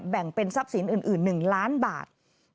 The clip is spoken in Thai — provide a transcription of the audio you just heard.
แบ่งเป็นทรัพย์สินอื่น๑ล้านบาท